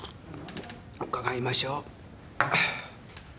伺いましょう。